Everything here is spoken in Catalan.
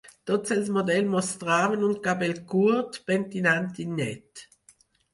Tots els models mostraven un cabell curt, pentinat i net.